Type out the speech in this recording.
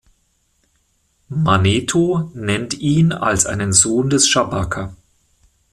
Manetho nennt ihn als einen Sohn des Schabaka.